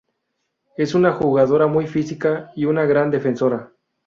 Es una jugadora muy física y una gran defensora.